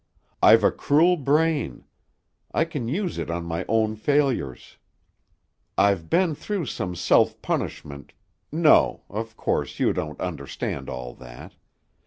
I've a cruel brain. I can use it on my own failures. I've been through some self punishment no! of course, you don't understand all that....